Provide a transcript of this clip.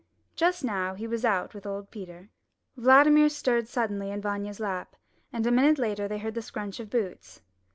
Just now he was out with old Peter. Vladimir stirred suddenly in Vanya's lap, and a minute later they heard the scrunch of boots.